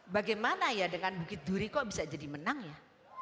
bagaimana ya dengan bukit duri kok bisa jadi menang ya